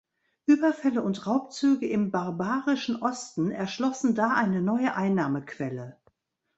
Überfälle und Raubzüge im „barbarischen“ Osten erschlossen da eine neue Einnahmequelle.